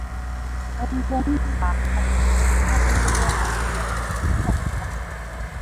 ungumza kabla ya mkutano huo meneja wa uzalishaji katika